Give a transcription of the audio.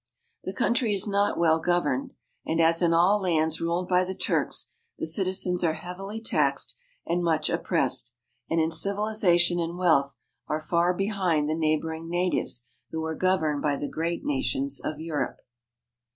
The country is not well governed, and, as in all lands ruled by the Turks, the citizens are heavily taxed and much oppressed, and in civilization and wealth are far behind the neighboring natives who are governed by the great nations of Europe.